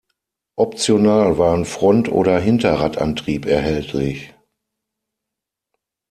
Optional waren Front- oder Hinterradantrieb erhältlich.